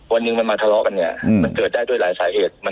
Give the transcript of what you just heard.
วันหนึ่งมันมาทะเลาะกันเนี่ยมันเกิดได้ด้วยหลายสาเหตุ